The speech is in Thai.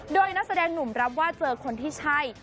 โดยนักแสดงหนุ่มรับว่าเจอคนที่ใช่